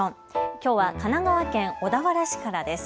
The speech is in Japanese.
きょうは神奈川県小田原市からです。